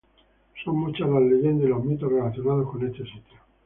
Son muchas las leyendas y los mitos relacionados con este sitio.